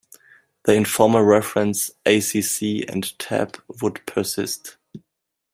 The informal reference "Acc and Tab" would persist.